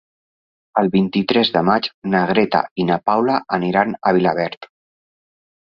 El vint-i-tres de maig na Greta i na Paula aniran a Vilaverd.